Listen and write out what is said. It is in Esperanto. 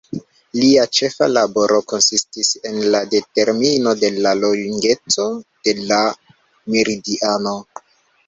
Lia ĉefa laboro konsistis en la determino de la longeco de la meridiano.